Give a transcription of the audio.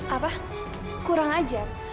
apa kurang ajar